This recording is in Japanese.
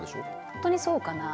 本当にそうかな？